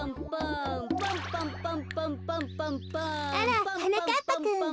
あらはなかっぱくん。